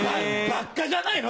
バッカじゃないの！